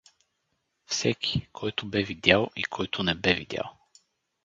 Всеки — който бе видял и който не бе видял.